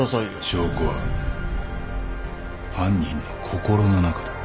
証拠は犯人の心の中だ。